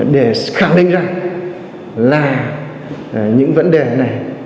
để khẳng định ra là những vấn đề này